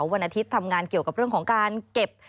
วันอาทิตย์ทำงานเกี่ยวกับเรื่องของการเก็บ